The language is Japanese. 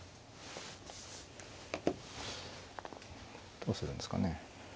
どうするんですかね。